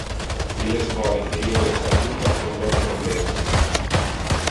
Illes vole que io les adjuta con lor problema.